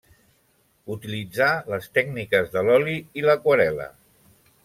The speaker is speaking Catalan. Utilitzà les tècniques de l'oli i l'aquarel·la.